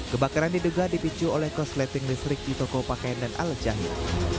kebakaran diduga dipicu oleh korsleting listrik di toko pakaian dan alat jahit